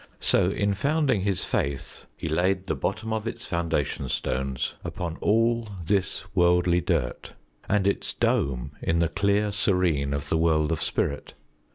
So in founding his Faith he laid the bottom of its foundation stones upon all this worldly dirt, and its dome in the clear serene of the world of Spirit.